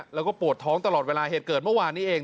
แล้วก็ปวดท้องตลอดเวลาเหตุเกิดเมื่อวานนี้เอง